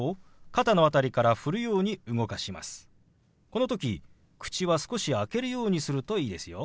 この時口は少し開けるようにするといいですよ。